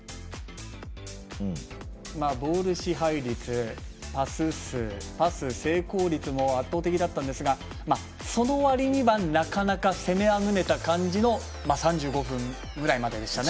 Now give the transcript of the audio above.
ボール支配率、パス数パス成功率も圧倒的だったんですけどその割にはなかなか攻めあぐねた感じの３５分ぐらいまででしたね。